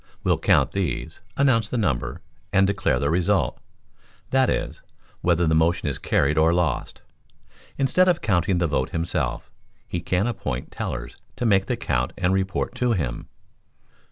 will count these, announce the number, and declare the result; that is, whether the motion is carried or lost. Instead of counting the vote himself, he can appoint tellers to make the count and report to him.